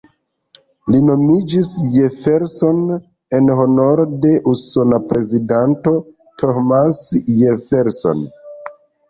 Li nomiĝis "Jefferson" en honoro de usona prezidanto, Thomas Jefferson.